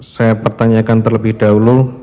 saya pertanyakan terlebih dahulu